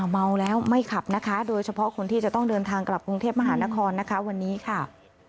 เมาแล้วไม่ขับนะคะโดยเฉพาะคนที่จะต้องเดินทางกลับกรุงเทพมหานครนะคะวันนี้ค่ะ